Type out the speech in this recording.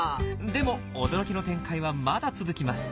でも驚きの展開はまだ続きます。